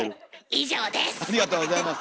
以上です！